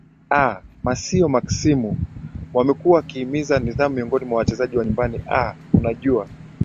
aa masio maksimu wamekuwa wakihimiza nidhamu miongoni mwa wachezaji wa nyumbani aa unajua